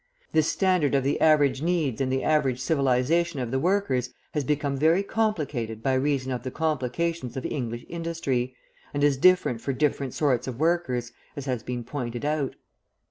This standard of the average needs and the average civilisation of the workers has become very complicated by reason of the complications of English industry, and is different for different sorts of workers, as has been pointed out.